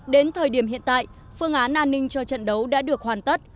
đến thời điểm hiện tại phương án an ninh cho trận đấu đã được hoàn tất